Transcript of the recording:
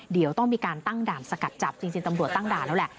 เดี๋ยวต้องมีการตั้งด่านสกัดจับจริงตำรวจตั้งด่านแล้วแหละ